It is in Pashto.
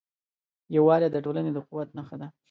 یووالی د ټولنې د قوت نښه ده.